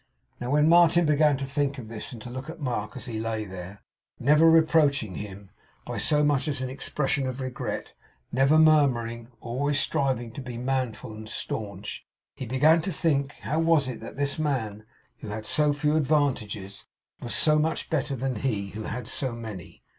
Now, when Martin began to think of this, and to look at Mark as he lay there; never reproaching him by so much as an expression of regret; never murmuring; always striving to be manful and staunch; he began to think, how was it that this man who had had so few advantages, was so much better than he who had had so many?